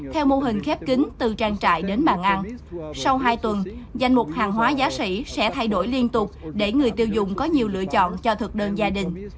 theo mô hình khép kính từ trang trại đến bàn ăn sau hai tuần danh mục hàng hóa giá sỉ sẽ thay đổi liên tục để người tiêu dùng có nhiều lựa chọn cho thực đơn gia đình